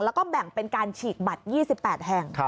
แล้วก็แบ่งเป็นการฉีกบัตร๒๘แห่ง